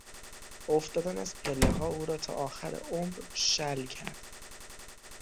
افتادن از پلهها او را تا آخر عمر شل کرد.